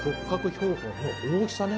標本の大きさね